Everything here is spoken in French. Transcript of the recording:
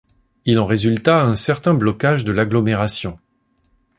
Il en résulta un certain blocage de l'Agglomération.